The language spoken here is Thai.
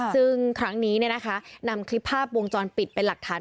ซึ่งครั้งนี้นำคลิปภาพวงจรปิดเป็นหลักฐาน